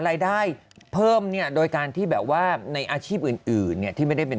รายได้เพิ่มเนี่ยโดยการที่แบบว่าในอาชีพอื่นอื่นเนี่ยที่ไม่ได้เป็น